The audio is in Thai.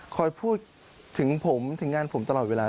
คอยพูดถึงผมถึงงานผมตลอดเวลา